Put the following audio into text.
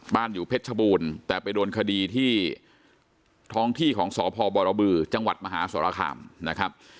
อยู่เพชรชบูรณ์แต่ไปโดนคดีที่ท้องที่ของสพบรบือจังหวัดมหาสรคามนะครับ